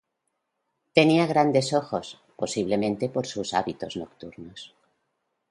Tenía grandes ojos posiblemente por sus hábitos nocturnos.